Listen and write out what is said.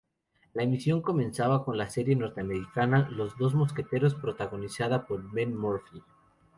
La emisión comenzaba con la serie norteamericana "Los dos mosqueteros", protagonizada por Ben Murphy.